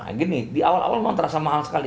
begini di awal awal memang terasa mahal sekali